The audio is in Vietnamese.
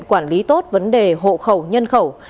quản lý tốt vấn đề hộ khẩu nhân khẩu